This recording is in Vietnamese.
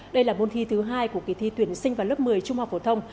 đây là môn thi thứ hai của kỳ thi tuyển sinh vào lớp một mươi trung học phổ thông